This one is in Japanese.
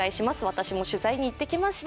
私も取材に行ってきました。